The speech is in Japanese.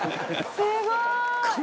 すごい！